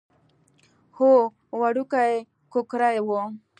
هو وړوکی کوکری و.